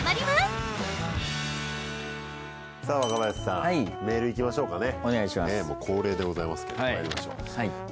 まいりましょう。